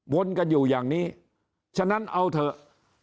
วนกันอยู่อย่างนี้ฉะนั้นเอาเถอะ